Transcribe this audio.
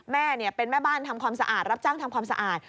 แม่เป็นแม่บ้านทำความสะอาดรับจ้างทำความสะอาด